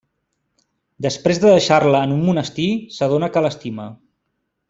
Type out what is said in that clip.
Després de deixar-la en un monestir, s'adona que l'estima.